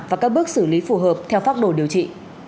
và các bước xử lý phù hợp theo phác đồ điều trị